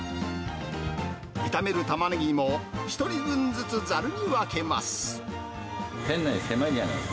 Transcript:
炒めるたまねぎも１人分ずつざるに分けます。